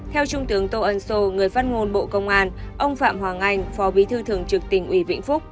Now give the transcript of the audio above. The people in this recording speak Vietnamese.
theo trung tướng tô ân sô người phát ngôn bộ công an ông phạm hoàng anh phó bí thư thường trực tỉnh ủy vĩnh phúc